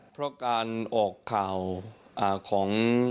เพราะการออกข่าวของ